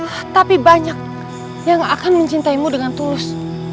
tetapi banyak yang akan mencintaimu dengan tulus